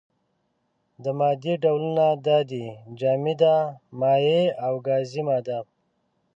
د مادې ډولونه دا دي: جامده، مايع او گازي ماده.